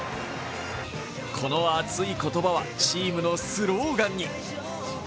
この熱い言葉はチームのスローガンに。